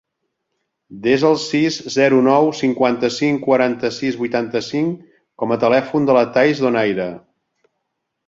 Desa el sis, zero, nou, cinquanta-cinc, quaranta-sis, vuitanta-cinc com a telèfon de la Thaís Donaire.